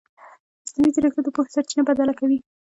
مصنوعي ځیرکتیا د پوهې سرچینه بدله کوي.